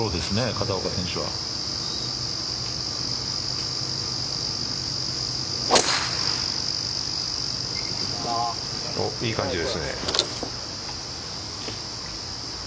片岡選手は。いい感じですね。